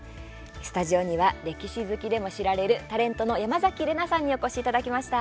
スタジオには歴史好きでも知られるタレントの山崎怜奈さんにお越しいただきました。